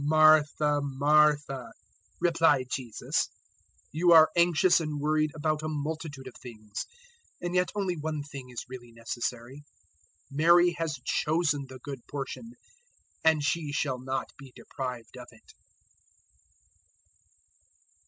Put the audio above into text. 010:041 "Martha, Martha," replied Jesus, "you are anxious and worried about a multitude of things; 010:042 and yet only one thing is really necessary. Mary has chosen the good portion and she shall not be deprived of it."